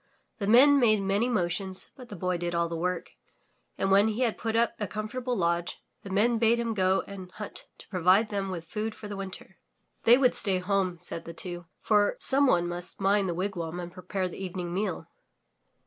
The Men made many motions, but the Boy did all the work, and when he had put up a comfortable lodge, the Men bade him go and hunt to provide them with food for the winter. They would stay home said the two, for some one must mind the wigwam and prepare the eve ning meal.